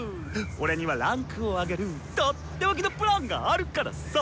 俺には位階を上げるとっておきの計画があるからサ！